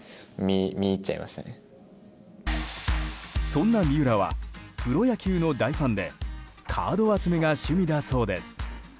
そんな三浦はプロ野球の大ファンでカード集めが趣味だそうです。